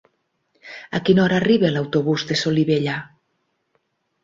A quina hora arriba l'autobús de Solivella?